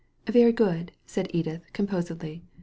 " Very good," said Edith, composedly.